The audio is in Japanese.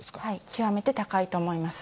極めて高いと思います。